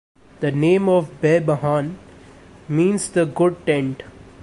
The name of Behbahan means the "Good Tent".